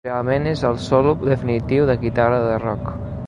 Realment és el solo definitiu de guitarra de rock.